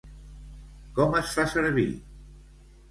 Com es fa servir?